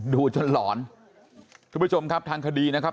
ดูจนหลอนทุกผู้ชมครับทางคดีนะครับ